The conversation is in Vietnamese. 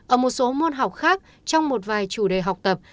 ở một số môn học khác trong một vài chủ đề học tập